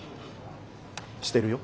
してるよ。